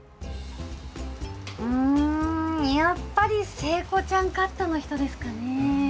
やっぱり聖子ちゃんカットの人ですかね。